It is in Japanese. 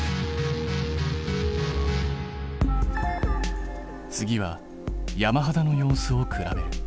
次は山肌の様子を比べる。